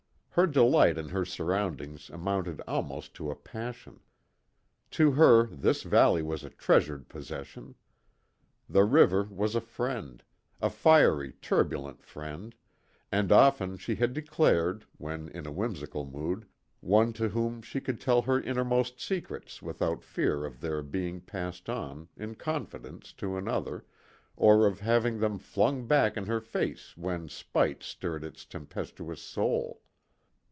Her delight in her surroundings amounted almost to a passion. To her this valley was a treasured possession. The river was a friend, a fiery, turbulent friend, and often she had declared, when in a whimsical mood, one to whom she could tell her innermost secrets without fear of their being passed on, in confidence, to another, or of having them flung back in her face when spite stirred its tempestuous soul.